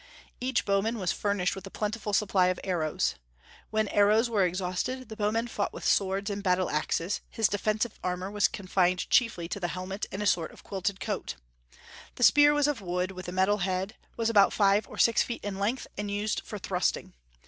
Each bowman was furnished with a plentiful supply of arrows. When arrows were exhausted, the bowman fought with swords and battle axes; his defensive armor was confined chiefly to the helmet and a sort of quilted coat. The spear was of wood, with a metal head, was about five or six feet in length, and used for thrusting.